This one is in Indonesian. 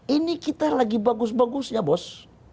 ini kita lagi bagus bagus ya bos